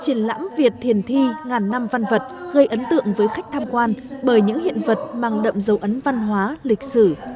triển lãm việt thiền thi ngàn năm văn vật gây ấn tượng với khách tham quan bởi những hiện vật mang đậm dấu ấn văn hóa lịch sử